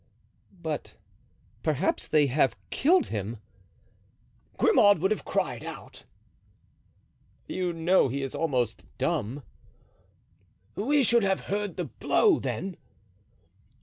"But perhaps they have killed him." "Grimaud would have cried out." "You know he is almost dumb." "We should have heard the blow, then."